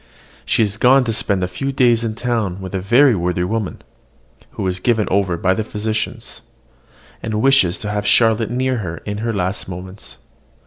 She is gone to spend a few days in the town with a very worthy woman, who is given over by the physicians, and wishes to have Charlotte near her in her last moments.